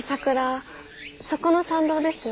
そこの参道ですよね？